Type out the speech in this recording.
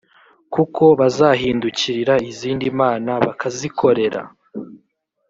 kuko bazahindukirira izindi mana bakazikorera